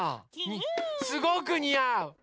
すごくにあう！